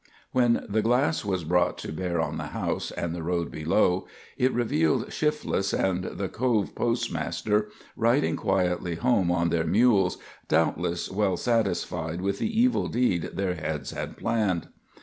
When the glass was brought to bear on the house and road below, it revealed Shifless and the Cove postmaster riding quietly home on their mules, doubtless well satisfied with the evil deed their heads had planned.